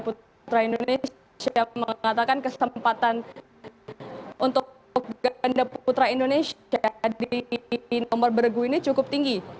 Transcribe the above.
putra indonesia mengatakan kesempatan untuk ganda putra indonesia di nomor bergu ini cukup tinggi